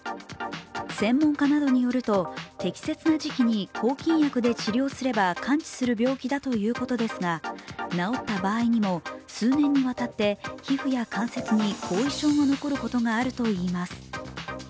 専門家などによると適切な時期に抗菌薬で治療すれば完治する病気だということですが治った場合にも数年にわたって皮膚や関節に後遺症が残ることがあるといいます。